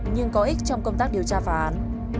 nhưng có ích trong công tác điều tra phá án